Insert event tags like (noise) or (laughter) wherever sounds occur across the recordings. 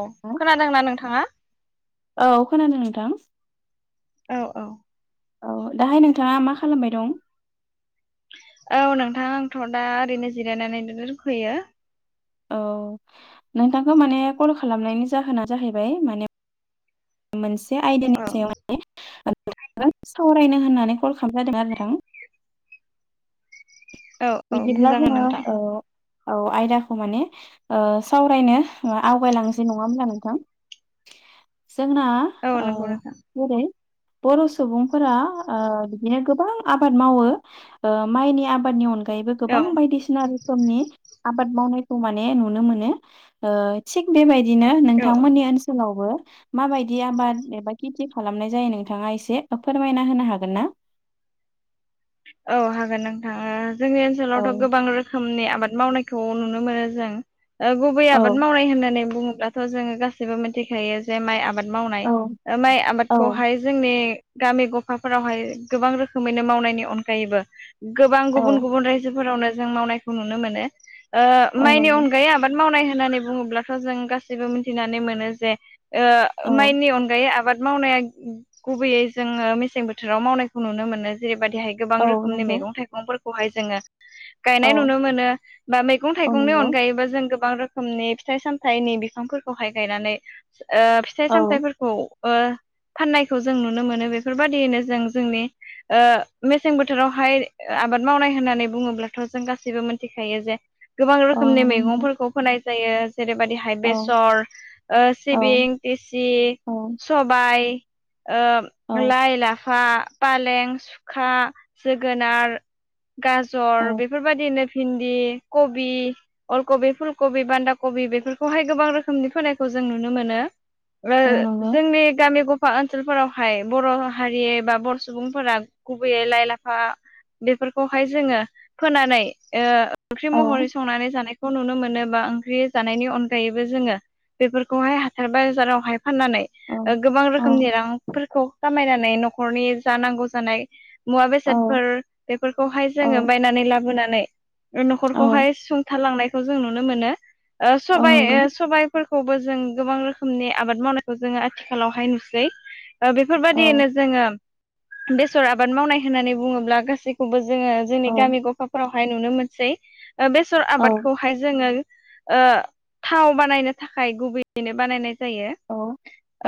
औ खोनादोंना नोंथाङा औ खोनादों नोंथां औ औ औ दाहाय नोंथाङा मा खालामबाय दं औ नोंथां आंथ' दा ओरैनो जिरायनानै रूख'यो औ नोंथांखौ माने कल खालामनायनि जाहोना जाहैबाय माने मोनसे आयदानि औ सायाव माने ओ सावरायनो होननानै कल खालाम जादों आरो नोंथां औ औ बिदिब्ला बुंजागोन जोङो नोंथां औ औ आयदाखौ माने ओ सावरायनो आवगायलांनोसै नङा होनब्ला नोंथां (unintelligible) जोंना औ ओ नंगौ नोंथां जेरै बर' सुबुंफोरा ओ बिदिनो गोबां आबाद मावो ओ माइनि आबादनि अनगायैबो औ गोबां बायदिसिना रोखोमनि आ बाद मावनायखौ माने नुनो मोनो ओ थिग बेबायदिनो औ नोंथांमोननि ओनसोलावबो माबायदि आबाद एबा खेथि खालामनाय जायो नोंथाङा एसे फोरमायना होनो हागोन ना औ हागोन नोंथां ओ जोंनि औ ओनसोलावथ' गोबां रोखोमनि आ बाद मावनायखौ नुनो मोनो जों ओ गुबै औ आबाद मावनाय होननानै बुङोब्लाथ' जोङो गासैबो मिथिखायो जे माइ आबाद मावनाय औ माइ आबादखौहाय जोंनि गामि ग'फाफोरावहाय गोबां रोखोमैनो मावनायनि अनगायैबो गोबां औ गुबुन-गुबुन रायजोफोरावनो जों मावनायखौ नुनो मोनो ओ औ माइनि नंगौ अनगायै आबाद मावनाय होननानै बुङोब्लाथ' जों गासैबो मिथिनानै मोनो जे औ ओ माइनि अनगायै आबाद मावनाया गुबैयै जोङो मेसें बोथोराव मावनायखौ नुनो मोनो जेबादि हाय गोबां औ रोखोमनि नंगौ मेगं-थाइगंफोरखौहाय जोङो औ गायनाय नुनो मोनो बा औ मैगं-थाइगंनि नंगौ अनगायैबो जों गो बां रोखोमनि फिथाइ-सामथाइनि बिफांफोरखौहाय गायनानै ओ औ फिथाइ-सामथायफोरखौ ओ फाननायखौ जों नुनो मोनो बेफोरबायदियैनो जों जोंनि ओ मेसें बोथोरावहाय आबाद मावनाय होननानै बुङोब्लाथ' जों गासैबो मिथिखायो जे गोबां औ रोखोमनि नंगौ नोंथां मैगंफोरखौ फोनाय जायो जेरैबायदिहाय औ बेसर ओ औ सिबिं तेसि औ सबाय ओ औ लाइ, लाफा, पालें, सुखा, जोगोनार गाजर औ बेफोरबायदिनो भिन्दि, कबि, अलकबि, फुलकबि, बान्दा कब बि बेफोरखौहाय गोबां रोखोमनि फोनायखौ जों नुनो मोनो ओ औ नंगौ जोंनि गामि गफा ओनसोलफोराव हाय बर' हारि एबा बर' सुबुंफोरा गुबैयै लाइ लाफा बेफोरखौहाय जोङो फोनानै ओ ओंख्रि औ महरै संनानै जानाय खौ नुनो मोनो बा ओंख्रि जानायनि अनगायैबो जोङो बेफोरखौहाय हाथाय बाजारावहाय फाननानै औ गोबां औ रोखोमनि रांफोरखौ खामायनानै न'खरनि जानांगौ जानाय औ मुवा-बेसादफोर बेफोरखौहाय जोङो औ बायनानै लाबोनानै ओ औ न'खरखौहाय सुंथालांनायखौ जों नुनो मोनो ओ औ सबाय नंगौ सबायफोर खौबो जों गोबां रोखोमनि आबाद मावनायखौ जोङो आथिखालावहाय नुसै ओ औ बेफोरबायदियैनो जोङो बेसर आबाद मावनाय होननानै बुङोब्ला गासैखौबो जोङो जोंनि औ गामि ग'फाफोरावहाय नुनो मोनसै बेसर औ आबादखौहाय जोङो ओ थाव बानायनो थाखाय गुबैयैनो बानायनाय जायो औ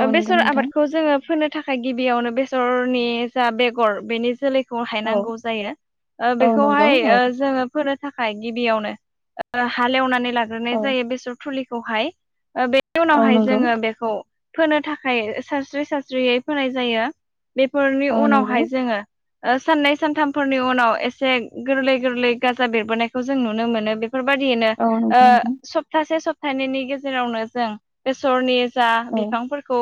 औ नंगौ बेसर नोंथां आबादखौ जोङो फोनो थाखाय गिबियावनो बेसरनि जा बेगर बेनि जोलै खौहाय औ नांगौ जायो ओ औ नंगौ बेखौहाय औ ओ जोङो फोनो थाखाय गिबियावनो हालेवनानै लाग्रोनाय औ जायो बेसर थुलिखौहाय बे औ उनावहाय नंगौ जोङो बेखौ फोनो थाखाय सारस्रि-सारस्रियै फोनाय जायो बेफोरनि औ नंगौ उनावहाय जोङो ओ साननै-सानथामफोरनि उनाव एसे गोरलै-गोरलै गाजा बेरबोनायखौ जों नुनो मोनो बे बेफोरबायदियैनो औ नंगौ ओ नोंथां सप्तासे सप्तानैनि गेजेरावनो जों बेसरनि। जा औ बिफांफोरखौ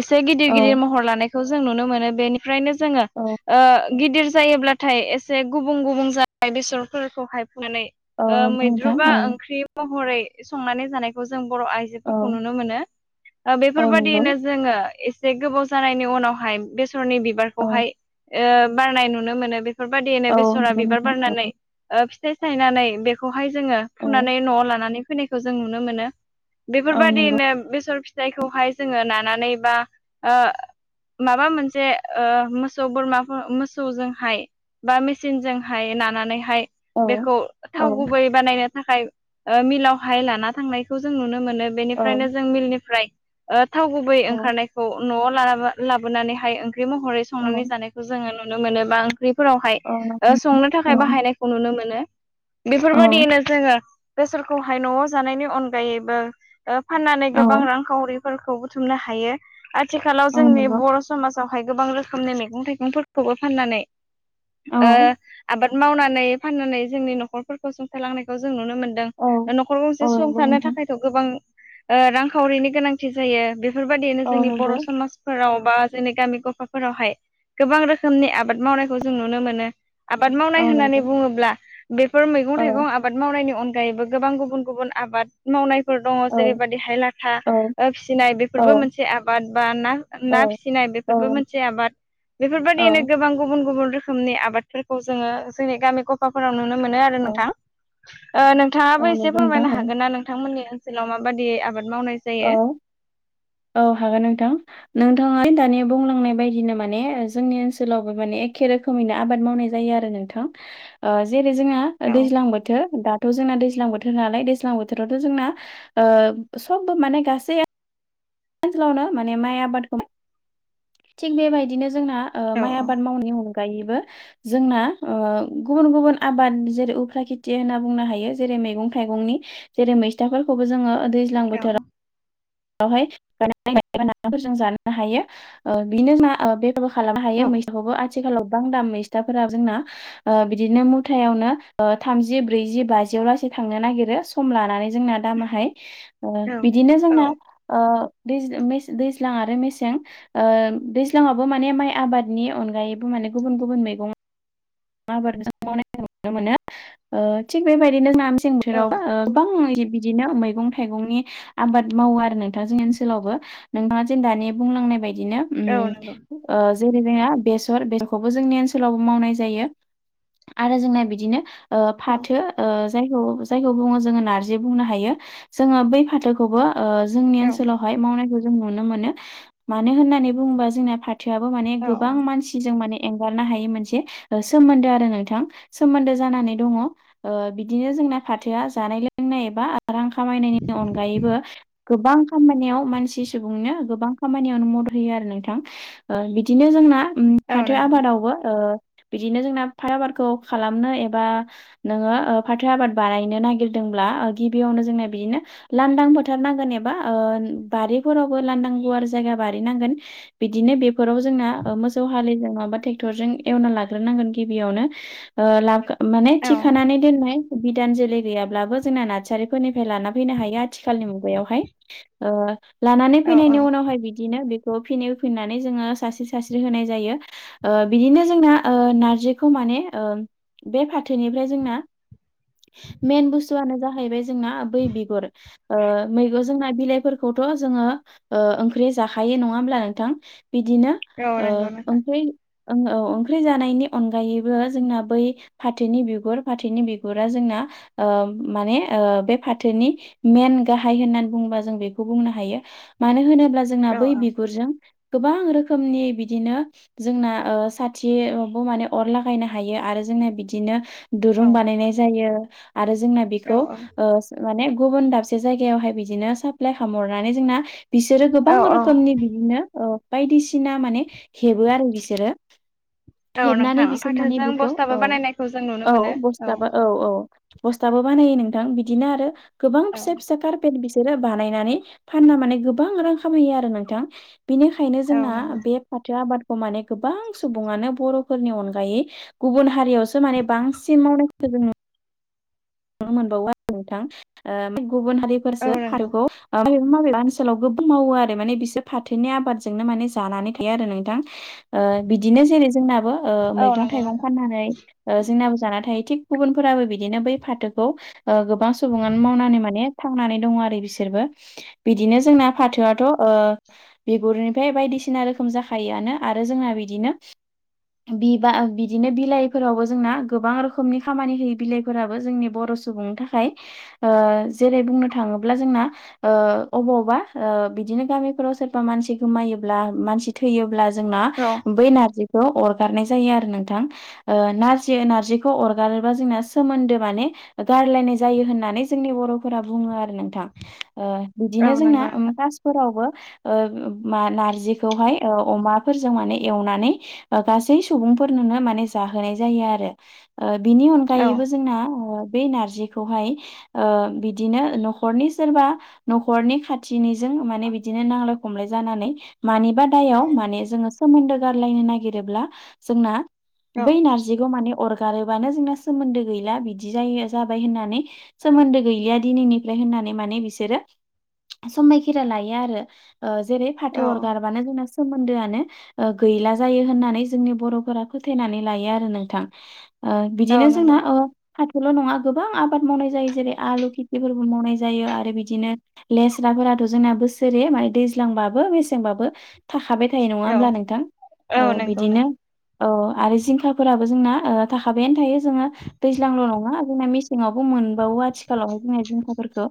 एसे गिदिर गिदिर औ महर लानायखौ जों नुनो मोनो बेनिफ्रायनो जोङो। औ ओ गिदिर जायोब्लाथाय एसे गुबुं गुबुं जानाय बेसरफोरखौहाय। नानै औ ओ नंगौ मैद्रु नोंथां बा औ ओंख्रि महरै संनानै जानायखौ जों। जों बर' औ आइजोफोरखौ नुनो मोनो ओ औ नंगौ बेफोरबायदियैनो जोङो। जे गोबाव जानायनि उनावहाय बेसरनि औ बिबारखौहाय ओ बारनाय नुनो मोनो बे। बेफोरबायदियैनो औ बेसरा नंगौ बिबार नोंथां औ बारनानै। ओ फिथाइ थायनानै बेखौहाय जोङो औ फुनानै न'आव लानानै। फैनायखौ जों नुनो मोनो औ नंगौ बेफोरबायदिनो बेसर। जायखौहाय जोङो नानानै बा ओ माबा मोनसे ओ मोस। मोसौ बोरमा मोसौजोंहाय बा मेसिनजोंहाय नानानैहाय। औ बेखौ औ थाव गुबै बानायनो थाखाय ओ मिलावहाय लाना थांनायखौ जों नुनो मोनो। नो बेनिफ्रायनो औ जों मिलनिफ्राय ओ थाव गुबै औ ओंखारनायखौ। न'आव ला लाबोनानैहाय ओंख्रि महरै संनानै जानायखौ जोङो नुनो मोनो बा ओंख्रि। फोरावहाय औ ओ नंगौ संनो औ थाखाय बाहायनायखौ नुनो मोनो। बेफोर बायदियैनो जोङो बेसखौहाय न'आव जानायनि अनगायैबो। ओ फाननानै औ गोबां रांखावरिफोरखौ बुथुमनो हायो आथिखालाव औ जोंनि नंगौ बर' समाज। फ्रावहाय गोबां रोखोमनि मैगं थाइगंफोरखौबो फाननानै। औ ओ आबाद मावनानै फाननानै जोंनि न'खरफोरखौ सुंथालांनायखौ जों नुनो मोनो। मोनदों औ ओ न'खर औ गंसे नंगौ सुंथानो नोंथां थाखायथ' गोबां ओ रांखावरिनि गोनांथि जायो बे। बेफोरबायदियैनो औ जोंनि नंगौ बर' समाजफोराव बा जोंनि गामि गफाफोरावहाय। गोबां रोखोमनि आबाद मावनायखौ जों नुनो मोनो आबाद औ मावनाय होननानै नंगौ बुङोब्ला। बेफोर मैगं थाइगं आबाद मावनायनि अनगायैबो गोबां गुबुन गुबुन आबाद मावनाय। फोर औ दङ औ जेरैबायदिहाय लाथा औ फिसिनाय औ बेफोरबो मोनसे आबाद बा ना ना औ फिसिनाय। औ बेफोरबो नों मोनसे आबाद। बेफोरबायदियैनो औ गोबां गुबुन गुबुन रोखोमनि आबादफोरखौ जोङो जोंनि गामि गफाफोराव। नुनो मोनो आरो औ नोंथां ओ औ नोंथाङाबो एसे नंगौ नोंथां फोरमायनो औ हागोन ना नोंथांमोननि। ओनसोलाव मा बायदि आबाद। मावनाय औ जायो औ हागोन नोंथां नों। थाङा दानि बुंलांनाय बायदिनो माने जोंनि ओनसोलावबो माने एखे रोखोमैनो आबाद मावनाय जायो आरो नों। नोंथां ओ जेरै जोंना औ दैज्लां बोथोर दाथ जोंना दै। ज्लां बोथोर नालाय दैज्लां बोथोरावथ' जोंना ओ सबबो माने गासै। ओनसोलावनो माने माइ आबादखौ थिग बेबायदिनो जों। जोंना ओ औ माइ आबाद मावनायनि अनगा। गायैबो जोंना ओ गुबुन गुबुन आबाद जेरै उफ्रा खेथि होनना बुंनो हायो जेरै। मैगं थाइगंनि जेरै मैस्थाफोरखौबो जोङो दैज्लां औ बोथोरावहाय। (unintelligible) फोर जों जानो हायो बिनो जोंना बे। बो खालामनो औ हायो मैसथाखौबो आथिखालाव गोबां दाम मैस। फिथा फोराब जोंना ओ बिदिनो मुथायावनो थामजि ब्रैजि बाजियाव लासै थांनो नागिरो। यो सम लानानै जोंना दामाहाय ओ बिदिनो औ जोंना ओ। दैज ओ मेस दैज्लां आरो मेसें ओ दैज्लङावबो माने माइ आबादनि अनगायैबो माने ने गुबुन गुबुन मैगं। (unintelligible) नुनो मोनो ओ थिग बेबायदिनो जोना। जों औ जेराव ओ गोबां। बिदिनो मैगं थाइगंनि आबाद मावो आरो नोंथां जोंनि ओनसोलावबो नोंथाङा जों दानि बुंलांनाय बायदि बिदिनो औ उम नंगौ ओ जेरै जोंना बेसर बेसरखौबो जोंनि ओनसोलावबो मावनाय जायो। आरो जोंना बिदिनो ओ औ फाथो ओ जायखौ जायखौ बुङो जोङो नारजि बुंनो हायो जोङो बै फाथोखौबो ओ जोंनि औ ओनसोलावहाय मावनायखौ जों नुनो मोनो मानो होननानै बुङोबा जोंना फाथोआबो माने औ गोबां मानसिजों माने एंगारनो हायै मोनसे ओ सोमोन्दो आरो नोंथां सोमोन्दो जानानै दङ ओ बिदिनो जोंना फाथोआ जानाय लोंनाय एबा रां खामायनायनि अनगायैबो गोबां खामानियाव मानसि सुबुंनो गोबां खामानियावनो मदद होयो आरो नोंथां ओ बिदिनो जोंना उम औ फाथो नंगौ आबादावबो ओ बिदिनो जोंना फाथो आबादखौ खालामनो एबा नोङो ओ फाथो आबाद बानायनो नागिरदोंब्ला गिबियावनो जों बिदिनो लांदां फोथार नांगोन एबा ओ बारिफोरावबो लांदां गुवार जायगा बारि नांगोन बिदिनो बेफोराव जोंना ओ मोसौ हालिजों नङाबा ट्रेक्टर एवना लाग्र ग्रोन नांगोन गिबिआवनो ओ ला माने औ थिखानानै दोननाय बिदान जोलै गैयाब्लाबो जोंना नार्सारिफोरनिफ्राय लाना फैनो हायो आथिखालनि मुगायावहाय ओ लानानै औ फैनायनि औ उनावहाय बिदिनो बे फिन होफिननानै जोङो सास्रि सास्रि होनाय जायो ओ बिदिनो जोंना ओ नारजिखौ माने ओ बे फाथोनिफ्राय जोंना मेन बुस्थुआनो जाहैबाय जोंना बै बिगुर ओ मैगं जोंना बिलाइफोरखौथ' जोङो ओ ओंख्रि जाखायो नङा होमब्ला नोंथां? बिदिनो औ ओ नंगौ नोंथां ओमफाय ओ औ ओंख्रि जानायनि अनगायैबो जोंना बै फाथोनि बिगुर फाथोनि बिगुरा जोंना ओ माने बे फाथोनि मेन गाहाय होननानै बुंुङोबा जों बेखौ बुंनो हायो मानो होनो जोंना औ बै बिगुर गोबां रोखोमनि बिदिनो जोंना ओ साथ थिअबो माने अर लागायनो हायो आरो जोंना बिदिनो औ दुरुं बानायनाय जायो आरो जोंना बेखौ ओ माने गुबुन दाबसे जायगायावहाय बिदिनो साप्लाय खालामहरनानै जोंना बिसोरो औ गोबां रोखोमनि बिदिनो ओ बायदिसिना माने हेबो आरो बिसोरो। औ हेबनानै नोंथां बिसोर माने फाथोजों बेखौ बस्थाबो औ बानायनायखौ जों नुनो औ मोनो बस्थाबा औ औ। बस्थाबो बानायो नोंथां बिदिनो आरो गोबां औ फिसा फिसा कार्पेट बिसोरो बानायनानै फानना माने गोबां रां खामैयो आरो नोंथां। बिनिखायनो औ जोंना नंगौ बे फाथो आबादखौ माने गोबां सुबनो बर'फोरनि अनगायै गुबुन हारियावसो माने बांसिन मावनाय नुनो मोनबावो आरो नोंथां ओ गुबुन औ हारिफोरसो (unintelligible) नंगौ मावबा ओनसोलाव गोबां मावो आरो माने बिसोर फाथोनि आबादजोंनो माने जानानै थायो आरो नोंथां । ओ बिदिनो जेरै जोंनाबो। ओ औ मैगं नंगौ थाइगं नोंथां फाननानै जोंनाबो जाना थायो थिग गुबुनफोराबो बिदिनो बै फाथोखौ ओ गोबां सुबनो मावनानै मान थांनानै दङ आरो बिसोरबो बिदिनो जों आ फाथोआथ' ओ बिगुरनिफ्राय बायदिसिना रोखोम जाखायोआनो आरो जोंना बिदिनो बिबा बिदिनो बिलाइफोरावबो जोंना गोबां रोखोमनि खामानि होयो बिलाइफोराबो। बो जों बर' सुबुंनि थाखाय ओ जेरै बुंनो थाङोब्ला जोंना ओ आबाव बा ओ बिदिनो गामिफोराव सोरबा मानसि गोमायोब्ला मानसि थैयोब्ला जोंना औ बै नारजिखौ अरगारनाय जायो आरो नोंथां ओ नारजि नारजिखौ अरगारोब्ला सोमोनदो माने गारलायनाय जायो होननानै जोंनि बर'फोरा बुङो आरो नोंथां बिदिनो औ जोंना नंगौ कासफोरावबो नारजिखौहाय अमाफोरजों माने एवनानै गासै सुबुं फोरनो माने जाहोनाय जायो आरो बिनि औ अनगायैबो जोंना बे नारजिखौहाय बिदिनो न'खरनि सोरबा न'खरनि खाथि निजों माने बिदिनो नांलाय खमलाय जानानै मानिबा दायाव माने जोङो सोमोन्दो गारलायनो नागिरोब्ला जोंना औ बै नारजिखौ माने अरगारोबानो जोंना सोमोन्दो गैला बिदि बि जायो जाबाय होननानै सोमोन्दो गैलिया दिनैनिफ्राय होननानै माने बिसोरो समायखेरा लायो आरो जेरै फाथो अर गारबानो जोंना सोमोन्दोआनो गैला जायो होननानै जोंनि बर'फोरा फोथायनानै लायो आरो नोंथां ओ- औ बिदिनो जोंना नंगौ ओ हाथल' नङा गोबां आबाद मावनाय जायो जेरै आलु खेथिफोरबो मावनाय जायो आरो बिदिनो लेस्रा जोंना बोसोरै म दैज्लांबाबो मसेंबाबो थाखाबाय थ फिथायाइ नङा औ होमब्ला नोंथां औ नंगौ नों बिदिनो औ आरो जिंखा फोराबो जोंना ओ- थाखाबायनो थायो जोङो दैज्लांल' नङा जोंना मेसेङावबो मोन बावो आथिखालावाय जों जिंखाफोरखौ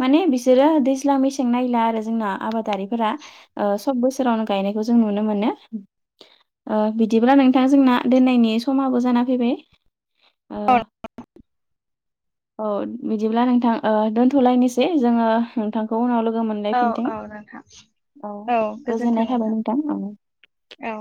माने बिसोरो दैज्लां मेसें नायला आरो जोंना आबादारिफोरा ओ- सब बोसोरावनो गाय जों नुनो मोनो ओ- बिदिब्ला नोंथां जोंना दोननायनि समाबो जाना फैबाय औ बिदिब्ला नोंथां ओ- दोनथ'लायनोसै जोङो नोंथांखौ उनाव लोगो लोगो मोनलाय औ फिनथिं औ नोंथां औ गोजोननाय थाबाय नोंथां औ औ